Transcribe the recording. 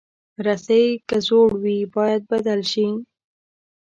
رسۍ که زوړ وي، باید بدل شي.